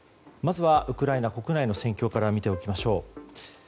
まず、ウクライナ国内の戦況から見ておきましょう。